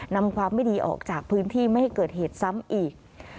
นำความไม่ดีออกจากพื้นที่ไม่ให้เกิดเหตุซ้ำอีก